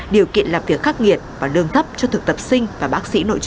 điều kiện làm việc khắc nghiệt và lương thấp cho thực tập sinh và bác sĩ nội chú